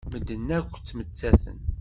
Medden akk ttmettaten.